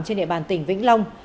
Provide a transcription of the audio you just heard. trên địa bàn tỉnh vĩnh long